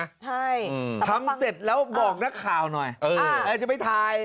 ใช่ทำเสร็จแล้วบอกนักข่าวหน่อยเออจะไปถ่าย